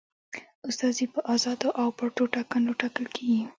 استازي په آزادو او پټو ټاکنو ټاکل کیږي.